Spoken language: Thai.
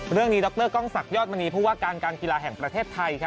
เรื่องนี้ดรกล้องศักดอดมณีผู้ว่าการการกีฬาแห่งประเทศไทย